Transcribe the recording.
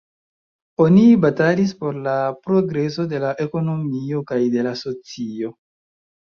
Oni batalis por la progreso de la ekonomio kaj de la socio.